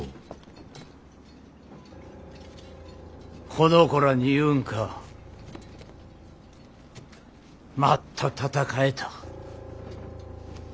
この子らに言うんかもっと戦えと。